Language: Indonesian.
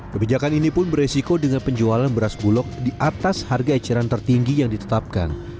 kebijakan ini pun beresiko dengan penjualan beras bulog di atas harga eceran tertinggi yang ditetapkan